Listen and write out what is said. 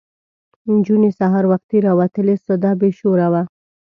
نجونې سهار وختي راوتلې سده بې شوره وه.